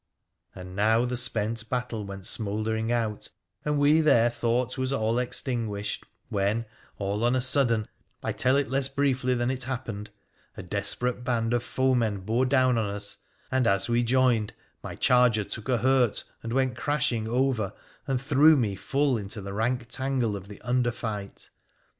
And now the spent battle went smouldering out, and we there thought 'twas all extinguished, when, all on a sudden — I tell it less briefly than it happened — a desperate band of foemen bore down on us, and, as we joined, my charger took a hurt,, and went crashing over, and threw me full into the rank tangle of the under fight.